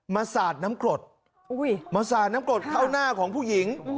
มาสาดน้ำกรดเข้าหน้าของผู้หญิง